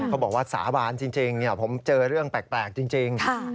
เขาบอกว่าสาบานจริงผมเจอเรื่องแปลกจริง